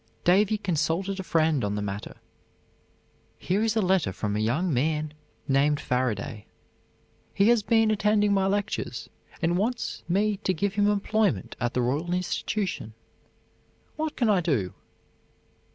Davy consulted a friend on the matter. "Here is a letter from a young man named Faraday; he has been attending my lectures, and wants me to give him employment at the Royal Institution what can I do?"